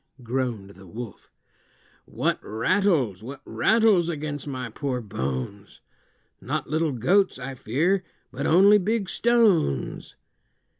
groaned the wolf; "What rattles, what rattles against my poor bones? Not little goats, I fear, but only big stones."